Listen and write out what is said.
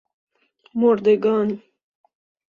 مردگان